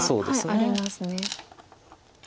ありますね。